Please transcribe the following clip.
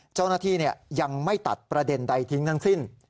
เจ้าหน้าที่ยังไม่ตัดประเด็นใดทิ้งทั้งสิ้น